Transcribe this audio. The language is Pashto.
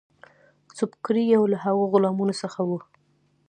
سُبکري یو له هغو غلامانو څخه وو.